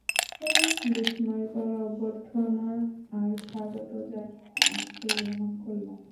বিস্ময়কর অভ্যর্থনা আর স্বাগত জানিয়ে আমাকে গ্রহণ করল।